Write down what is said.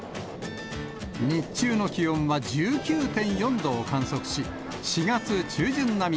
日中の気温は１９．４度を観測し、４月中旬並み。